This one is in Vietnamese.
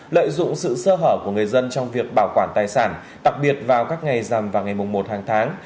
lợi dụng sự sơ hở của người dân trong việc bảo quản tài sản đặc biệt vào các ngày rằm và ngày một hàng tháng